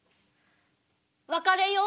別れよう。